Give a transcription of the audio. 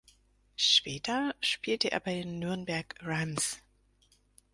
Später spielte er bei den Nürnberg Rams.